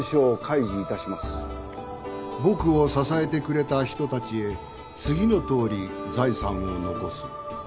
「僕を支えてくれた人たちへ次のとおり財産を残す」